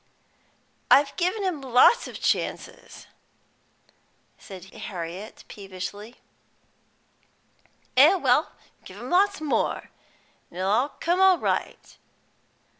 "I've given him lots o' chances," said Harriet peevishly. "Eh well, give him lots more, an' it'll all come right.